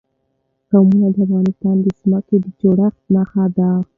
قومونه د افغانستان د ځمکې د جوړښت نښه ده.